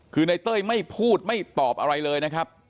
คือในเต้ยไม่พูดไม่ตอบอะไรเลยนะครับ